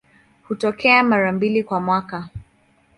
Hutokea mara mbili kwa mwaka.